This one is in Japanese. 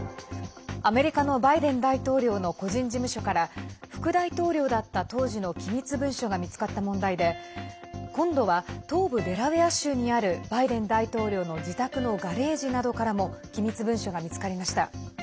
アメリカのバイデン大統領の個人事務所から副大統領だった当時の機密文書が見つかった問題で今度は東部デラウェア州にあるバイデン大統領の自宅のガレージなどからも機密文書が見つかりました。